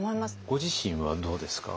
ご自身はどうですか？